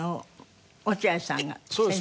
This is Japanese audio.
落合さんが先生？